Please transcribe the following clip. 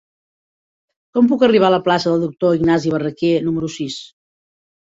Com puc arribar a la plaça del Doctor Ignasi Barraquer número sis?